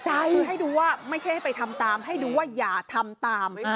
คือให้ดูว่าไม่ใช่ให้ไปทำตามให้ดูว่าอย่าทำตาม